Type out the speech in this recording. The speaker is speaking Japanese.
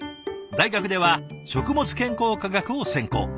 大学では食物健康科学を専攻。